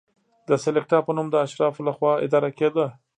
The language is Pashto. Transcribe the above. د سلکتا په نوم د اشرافو له خوا اداره کېده.